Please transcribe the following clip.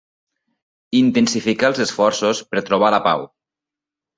Intensificar els esforços per trobar la pau.